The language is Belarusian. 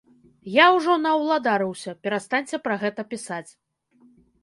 Я ўжо наўладарыўся, перастаньце пра гэта пісаць.